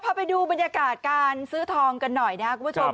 พอไปดูบรรยากาศการซื้อทองกันหน่อยนะครับ